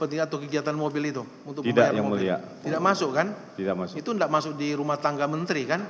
itu tidak masuk di rumah tangga menteri kan